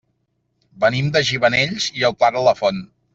Venim de Gimenells i el Pla de la Font.